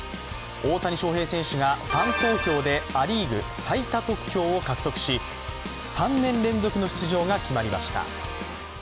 大谷翔平選手がファン投票でア・リーグ最多得票を獲得し、３年連続の出場が決まりました。